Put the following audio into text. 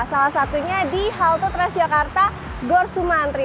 salah satunya di halte transjakarta gorsumantri